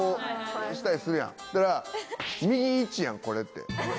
そしたら右１やんこれって。